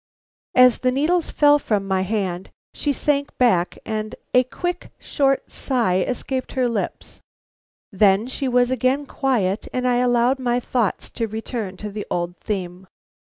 As the needles fell from my hand, she sank back and a quick, short sigh escaped her lips. Then she was again quiet, and I allowed my thoughts to return to the old theme.